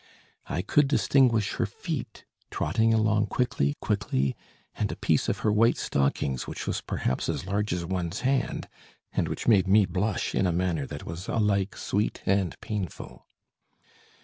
I could distinguish her feet, trotting along quickly, quickly, and a piece of her white stockings, which was perhaps as large as one's hand, and which made me blush in a manner that was alike sweet and painful.